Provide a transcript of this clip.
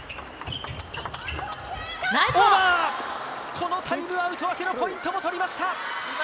このタイムアウト明けのポイントも取りました。